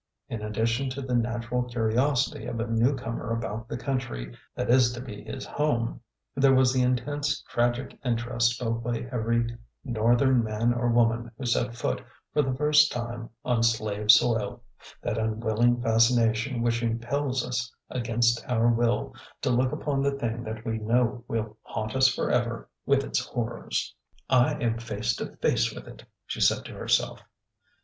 In addition to the natural curi osity of a newcomer about the country that is to be his home, there was the intense tragic interest felt by every Northern man or woman who set foot for the first time on slave soil,— that unwilling fascination which impels us against our will to look upon the thing that we know will haunt us forever with its horrors. MISS ABBY ANN ARRIVES 19 '' I am face to face with it !'' she said to herself.